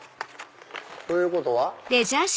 ということは。